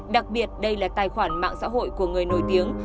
đặc biệt đây là tài khoản mạng xã hội của người nổi tiếng